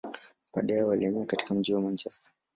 Baadaye, walihamia katika mji wa Manchester.